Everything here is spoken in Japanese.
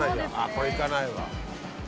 これ行かないわ。